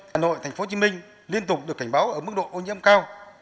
hà nội tp hcm liên tục được cảnh báo ở mức độ ô nhiễm cao